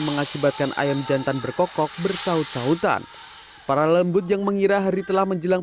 mengakibatkan ayam jantan berkokok bersaut sautan para lembut yang mengira hari telah menjelang